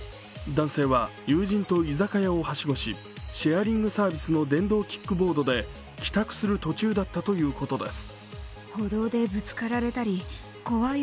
男性は友人と居酒屋をはしごしシェアリングサービスの電動キックボードで帰宅する途中だったということです。